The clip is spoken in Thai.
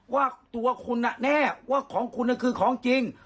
ว่าตัวคุณแน่ว่าของคุณคือของจริง